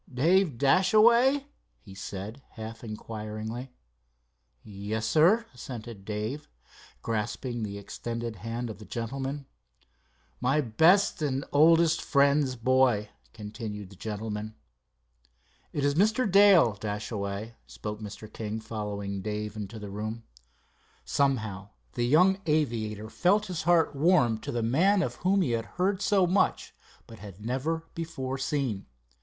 "Dave Dashaway?" he said, half inquiringly. "Yes, sir," assented Dave, grasping the extended hand of the gentleman. "My best and oldest friend's boy," continued the gentleman. "It is Mr. Dale, Dashaway," spoke Mr. King, following Dave into the room. Somehow the young aviator felt his heart warm to the man of whom he had heard so much, but had never before seen.